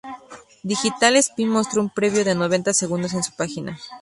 Digital Spy mostró un previo de noventa segundos en su página.